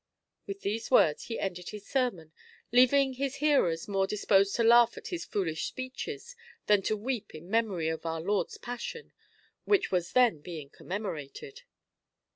With these words he ended his sermon, leaving his hearers more disposed to laugh at his foolish speeches than to weep in memory of our Lord's Passion which was then being commemorated.